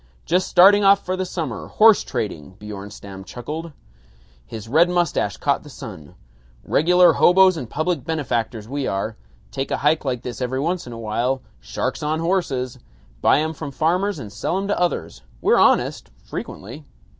"Just starting off for the summer, horse trading." Bjornstam chuckled. His red mustache caught the sun. "Regular hoboes and public benefactors we are. Take a hike like this every once in a while. Sharks on horses. Buy 'em from farmers and sell 'em to others. We're honest frequently.